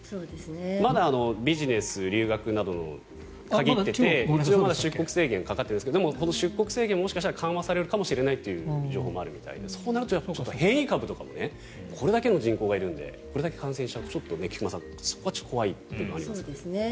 まだビジネス、留学などに限っていて出国制限かかっているんですがこの出国制限ももしかしたら緩和されるという情報もあるみたいでそうなると変異株とかもこれだけの人口がいるのでこれだけ感染するとそこがちょっと怖いところはありますよね。